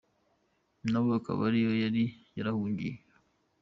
Na we akaba ariho yari yarahungiye.